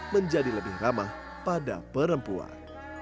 menjadi lebih ramah pada perempuan